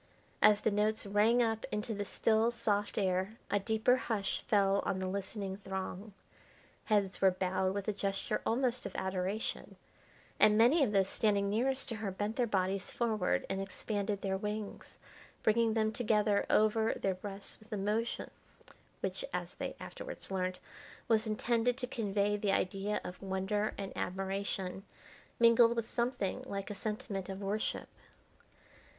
As the notes rang up into the still, soft air a deeper hush fell on the listening throng. Heads were bowed with a gesture almost of adoration, and many of those standing nearest to her bent their bodies forward, and expanded their wings, bringing them together over their breasts with a motion which, as they afterwards learnt, was intended to convey the idea of wonder and admiration, mingled with something like a sentiment of worship.